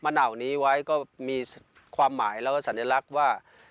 เหนานี้ไว้ก็มีความหมายแล้วก็สัญลักษณ์ว่า